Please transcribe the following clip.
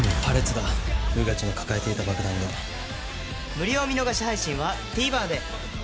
無料見逃し配信は ＴＶｅｒ で